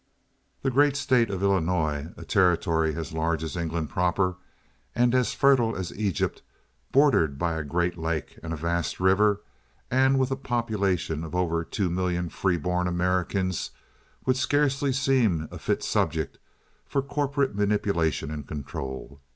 The great state of Illinois—a territory as large as England proper and as fertile as Egypt, bordered by a great lake and a vast river, and with a population of over two million free born Americans—would scarcely seem a fit subject for corporate manipulation and control.